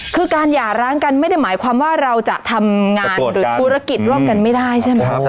คือการหย่าร้างกันไม่ได้หมายความว่าเราจะทำงานหรือธุรกิจร่วมกันไม่ได้ใช่ไหมครับ